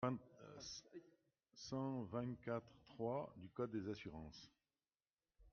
cent vingt-quatre-trois du code des assurances.